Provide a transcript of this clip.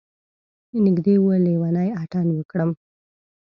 نږدې و لیونی اتڼ وکړم.